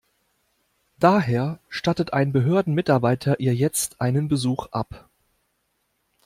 Daher stattet ein Behördenmitarbeiter ihr jetzt einen Besuch ab.